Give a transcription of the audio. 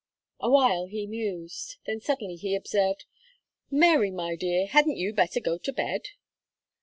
Awhile he mused, then suddenly he observed: "Mary, my dear, hadn't you better go to bed?"